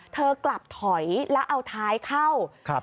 เธอกลับถอยแล้วเอาท้ายเข้าครับ